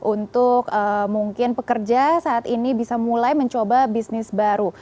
untuk mungkin pekerja saat ini bisa mulai mencoba bisnis baru